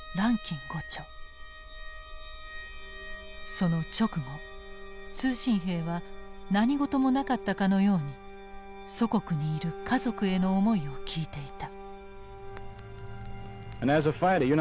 その直後通信兵は何事もなかったかのように祖国にいる家族への思いを聞いていた。